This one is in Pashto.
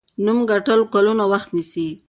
نوم ګټل کلونه وخت نیسي.